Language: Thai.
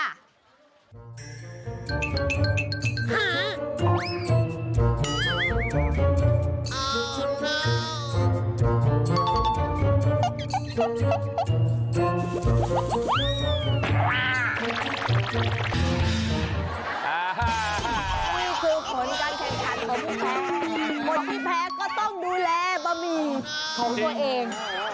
นี่คือผลการแข่งขันของผู้แพ้คนที่แพ้ก็ต้องดูแลบะหมี่ของตัวเอง